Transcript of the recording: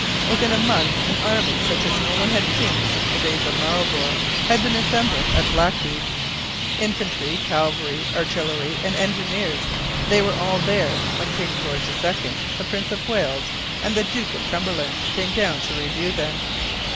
Within a month an army such as no one had seen since the days of Marlborough had been assembled at Blackheath. Infantry, cavalry, artillery, and engineers, they were all there when King George II, the Prince of Wales, and the Duke of Cumberland came down to review them.